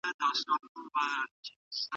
يوازې حکومت مسؤل نه دی.